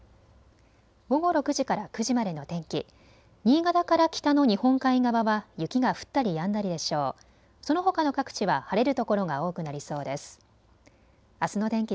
午後６時から９時までの天気。